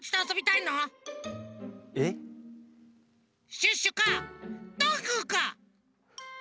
シュッシュかどんぐーか！